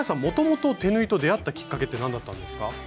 もともと手縫いと出会ったきっかけって何だったんですか？